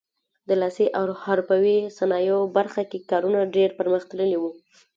د لاسي او حرفوي صنایعو برخه کې کارونه ډېر پرمختللي وو.